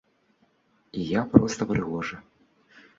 І я проста прыгожы.